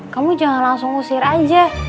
kamu jangan langsung usir aja